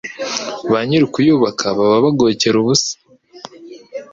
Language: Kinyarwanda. ba nyir’ukuyubaka baba bagokera ubusa